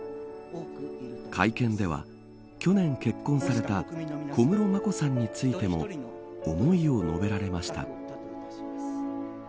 会見では去年結婚された小室眞子さんについても思いを述べられました。